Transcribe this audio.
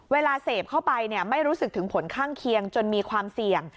เวลาเสพเข้าไปไม่รู้สึกถึงผลข้างเคียงจนมีความเสี่ยง